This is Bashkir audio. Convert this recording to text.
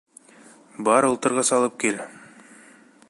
Бар ултырғыс алып кил!